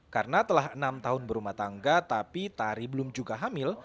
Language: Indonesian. karena telah enam tahun berumah tangga tapi tari belum juga hamil